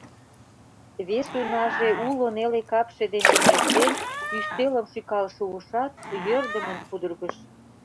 Вес унаже уло неле капше дене эҥертен, ӱстелым шӱкал шуышат, йӧрдымын пудыргыш.